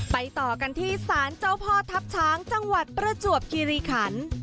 ไปต่อกันที่สารเจ้าพอธับชางจังหวัดประจวบคิริขัณฯ